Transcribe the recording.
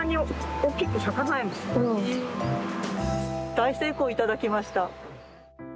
「大成功」頂きました。